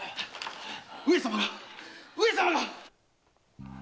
上様が上様が！